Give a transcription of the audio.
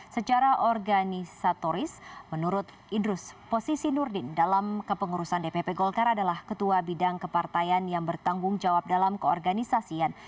secara organisatoris menurut idrus posisi nurdin dalam kepengurusan dpp golkar adalah ketua bidang kepartaian yang bertanggung jawab dalam keorganisasian